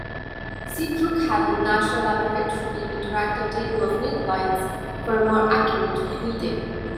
See Brookhaven National Laboratory Interactive Table of Nuclides for a more accurate reading.